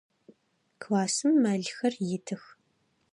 Классым мэлхэр итых.